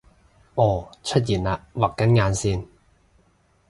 噢出現喇畫緊眼線！